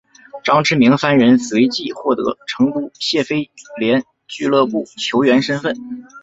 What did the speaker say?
张池明三人随即获得成都谢菲联俱乐部球员身份。